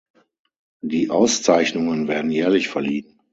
Die Auszeichnungen werden jährlich verliehen.